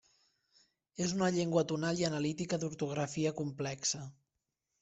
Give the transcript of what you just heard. És una llengua tonal i analítica d'ortografia complexa.